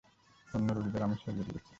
অন্য রোগীদের আমি স্যরিয়ে দিয়েছি।